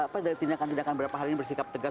pada tindakan tindakan berapa hari ini bersikap tegas